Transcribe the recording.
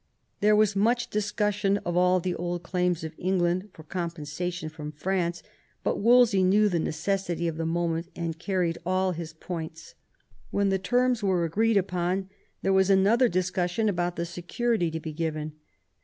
There was much discussion of all the old claims of England for compensation from France, but Wolsey knew the neces sity of the moment, and carried all his points. When the terms were agreed upon there was another discussion about the security to be given.